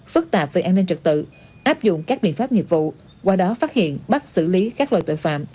phức tạp về an ninh trật tự áp dụng các biện pháp nghiệp vụ qua đó phát hiện bắt xử lý các loại tội phạm